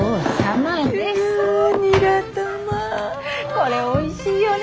これおいしいよね。